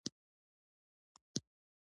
صوبه دار بلوک مشر لقب لري.